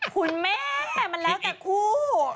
คุณแม่แต่มันแล้วแต่คู่